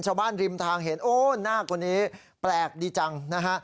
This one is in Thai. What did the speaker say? เช้าบ้านริมทางเห็นโอ้โฮหน้ากว่านี้แปลกดีจังนะฮะ